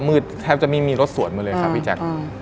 แทบจะไม่มีรถสวนมาเลยครับพี่แจ๊ค